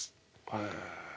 へえ。